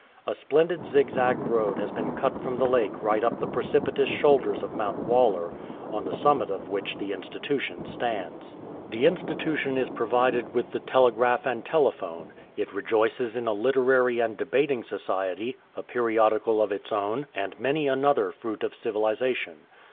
A splendid zigzag road has been cut from the lake right up the precipitous shoulders of Mount Waller, on the summit of which the Institution stands. The Institution is provided with the 146 A DREAM CITY telegraph and telephone, it rejoices in a literary and debating society, a periodical of its own, and many another fruit of civilization.